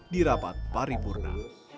di rapat paripurna